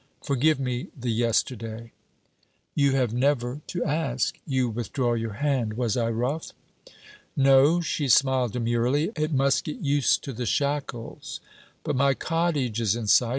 Forgive me the yesterday.' 'You have never to ask. You withdraw your hand was I rough?' 'No,' she smiled demurely; 'it must get used to the shackles: but my cottage is in sight.